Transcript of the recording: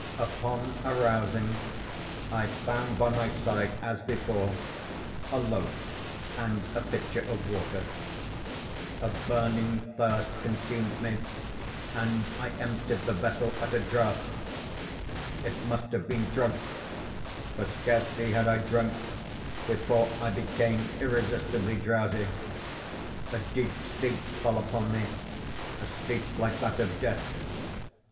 Upon arousing, I found by my side, as before, a loaf and a pitcher of water. A burning thirst consumed me, and I emptied the vessel at a draught. It must have been drugged—for scarcely had I drunk, before I became irresistibly drowsy. A deep sleep fell upon me—a sleep like that of death.